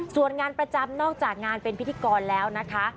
ส่วนงานประจำนอกจากงานเป็นพิธีกรแล้วนะคะ